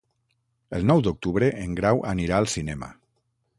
El nou d'octubre en Grau anirà al cinema.